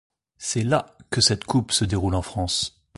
C'est la que cette Coupe se déroule en France.